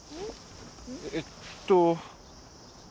えっと。